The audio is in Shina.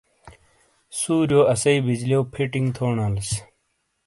سُوریو اسی بجلیو فیٹنگ تھو نالیس۔